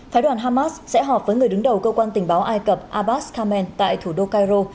phái đoàn hamas sẽ họp với người đứng đầu cơ quan tình báo ai cập abbas khamen tại thủ đô cairo